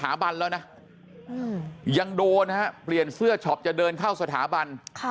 บันแล้วนะยังโดนฮะเปลี่ยนเสื้อช็อปจะเดินเข้าสถาบัน